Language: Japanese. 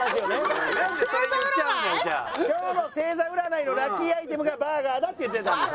今日の星座占いのラッキーアイテムがバーガーだって言ってたんですよ。